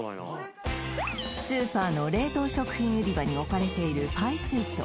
スーパーの冷凍食品売り場に置かれているパイシート